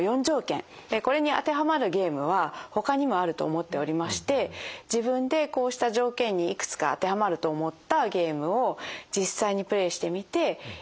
これに当てはまるゲームはほかにもあると思っておりまして自分でこうした条件にいくつか当てはまると思ったゲームを実際にプレーしてみてイライラとか